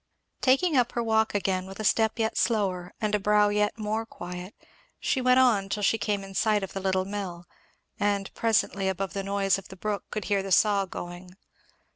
Taking up her walk again with a step yet slower and a brow yet more quiet, she went on till she came in sight of the little mill; and presently above the noise of the brook could hear the saw going.